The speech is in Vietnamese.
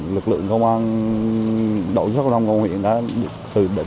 lực lượng công an đội sát giao thông công an huyện